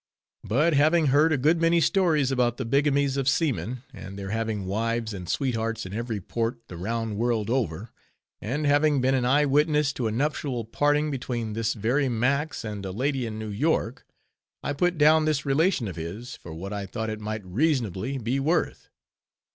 But having heard a good many stories about the bigamies of seamen, and their having wives and sweethearts in every port, the round world over; and having been an eye witness to a nuptial parting between this very Max and a lady in New York; I put down this relation of his, for what I thought it might reasonably be worth.